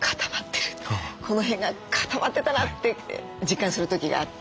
この辺が固まってたなって実感する時があって。